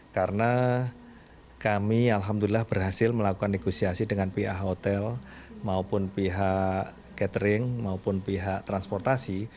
karena kami alhamdulillah berhasil melakukan negosiasi dengan pihak hotel maupun pihak catering maupun pihak transportasi